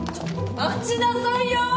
待ちなさいよ！